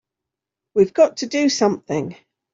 We've got to do something!